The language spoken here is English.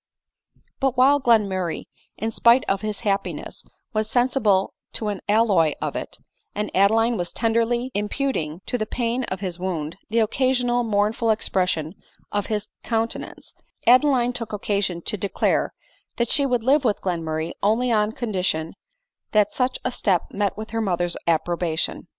But while Glenmurray, in_spite of his happiness, was sensible to an alloy of it, and Adeline was tenderly impu ting to the pain of his wound the occasionally mournful expression of his countenance, Adeline took occasion to declare that she would live with Glenmurray only on condition that such a step met with her mother's appro bation.